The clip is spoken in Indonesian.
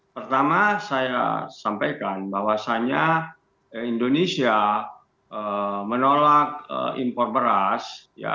pertama saya sampaikan bahwasannya indonesia menolak impor beras